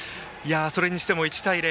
それにしても１対０。